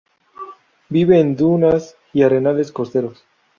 Vive en dunas y arenales costeros.